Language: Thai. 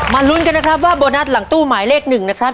ลุ้นกันนะครับว่าโบนัสหลังตู้หมายเลข๑นะครับ